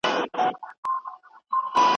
پر انګړ يې د پاتا كمبلي ژاړي